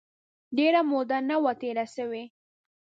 ډېره موده نه وه تېره سوې.